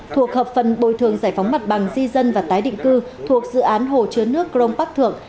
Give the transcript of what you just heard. thuộc hợp phần bồi thường giải phóng mặt bằng di dân và tái định cư thuộc dự án hồ chứa nước crong park thượng